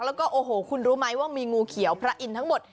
แล้วคุณรู้ไหมว่ามีงูเขียวพระอินทั้งหมด